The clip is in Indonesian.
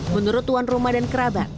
menurut tuan rumah dan kerabat